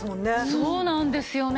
そうなんですよね。